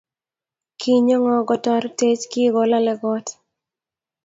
Kinyo ng'o kotoretech kikolale kot